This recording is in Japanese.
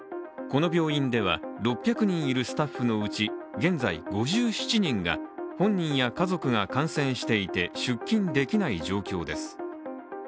この病院では６００人いるスタッフのうち、現在５７人が、本人や家族が感染していて、出勤できない状況です。